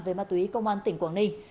với ma túy công an tỉnh quảng ninh